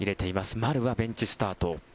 丸はベンチスタート。